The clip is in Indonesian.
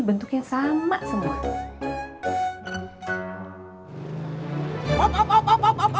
bentuknya sama semua